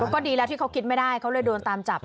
ก็ดีแล้วที่เขาคิดไม่ได้เขาเลยโดนตามจับ